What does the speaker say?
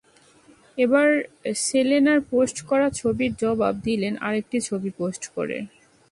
এবার সেলেনার পোস্ট করা ছবির জবাব দিলেন আরেকটি ছবি পোস্ট করে।